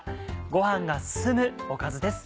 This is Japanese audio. ご飯が進むおかずです。